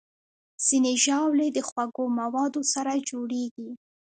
ځینې ژاولې د خوږو موادو سره جوړېږي.